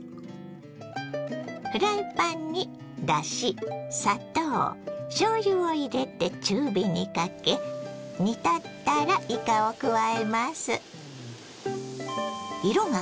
フライパンにだし砂糖しょうゆを入れて中火にかけ煮立ったらいかを加えます。